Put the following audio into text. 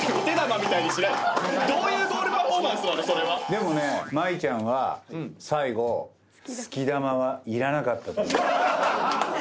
でもね麻衣ちゃんは最後好き玉はいらなかったと。